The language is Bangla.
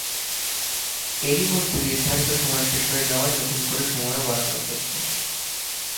এরই মধ্যে নির্ধারিত সময় শেষ হয়ে যাওয়ায় নতুন করে সময়ও বাড়ানো হয়েছে।